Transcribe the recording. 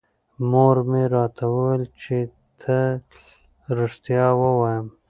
مور مې راته وویل چې تل رښتیا ووایم.